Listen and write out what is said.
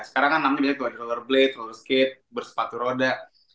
sekarang kan namanya bisa dua rollerblade roller skate bersepatu roda